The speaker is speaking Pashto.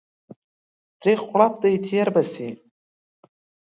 تريخ غړپ دى تير به سي.